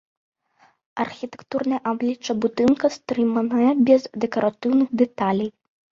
Архітэктурнае аблічча будынка стрыманае, без дэкаратыўных дэталей.